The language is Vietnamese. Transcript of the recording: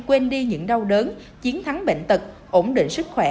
quên đi những đau đớn chiến thắng bệnh tật ổn định sức khỏe